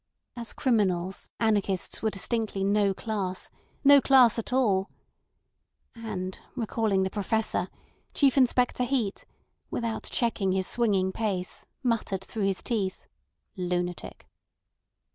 As criminals, anarchists were distinctly no class—no class at all. And recalling the Professor, Chief Inspector Heat, without checking his swinging pace, muttered through his teeth: "Lunatic."